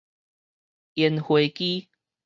煙花枝